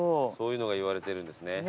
そういうのがいわれてるんですね。